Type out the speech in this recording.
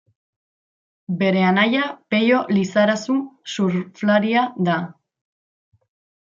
Bere anaia Peio Lizarazu surflaria da.